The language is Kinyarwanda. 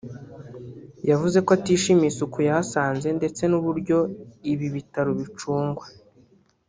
yavuze ko atishimiye isuku yahasanze ndetse n’uburyo ibi bitaro bicungwa